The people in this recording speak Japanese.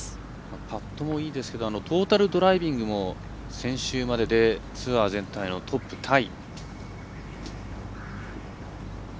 パットもいいですけどトータルドライビングも先週まででツアー全体のトップタイ。